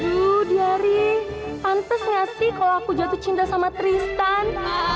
duh diary pantes gak sih kalo aku jatuh cinta sama tristan